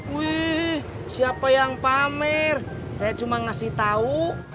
wih siapa yang pamer saya cuma ngasih tahu